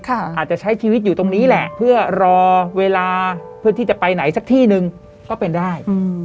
อาจจะใช้ชีวิตอยู่ตรงนี้แหละเพื่อรอเวลาเพื่อที่จะไปไหนสักที่หนึ่งก็เป็นได้